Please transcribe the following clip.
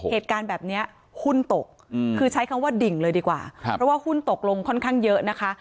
เหตุการณ์แบบนี้หุ้นตกคือใช้คำว่าดิ่งเลยดีกว่าเพราะว่าหุ้นตกลงค่อนข้างเยอะนะคะ